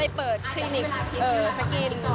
แล้วก็ไปเปิดคนิคสกิน